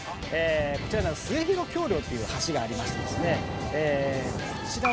「こちらに末広橋梁っていう橋がありましてですねこちらはですね